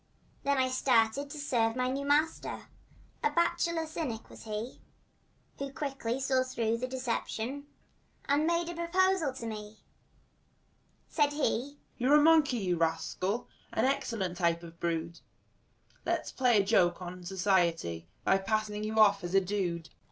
Then I started to serve my new master— A bachelor cynic was he, Who quickly saw through the deception And made a proposal to me. Said he: "You're a monkey, you rascal, And an excellent type of the brood; Let's play a good joke on society By passing you off as a dude."